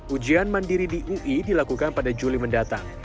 ujian mandiri di ui dilakukan pada juli mendatang